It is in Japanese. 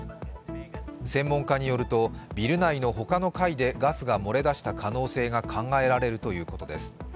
専門家によるとビル内の他の階でガスが漏れ出した可能性があるということです。